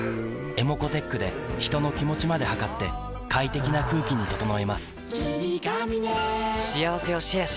ｅｍｏｃｏーｔｅｃｈで人の気持ちまで測って快適な空気に整えます